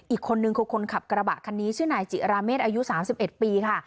อีกคนนึงคือคนขับกระบะคันนี้ชื่อนายจิราเมษอายุ๓๑ปีค่ะ